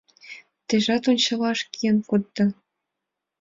Тежат ончалал киен кодда